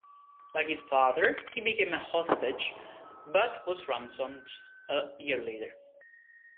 Like his father he became a hostage but was ransomed a year later.